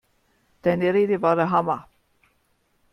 Deine Rede war der Hammer!